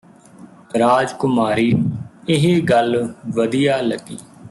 ਰਾਜ ਕੁਮਾਰੀ ਨੂੰ ਇਹ ਗੱਲ ਵਧੀਆ ਲੱਗੀ